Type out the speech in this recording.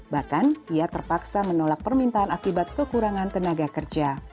bahkan ia terpaksa menolak permintaan akibat kekurangan tenaga kerja